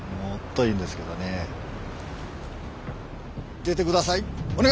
出てください！